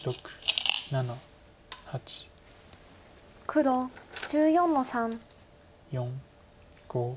黒１４の三。